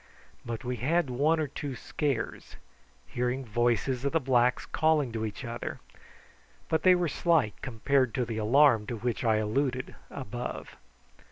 But we had one or two scares: hearing voices of the blacks calling to each other, but they were slight compared to the alarm to which I alluded above.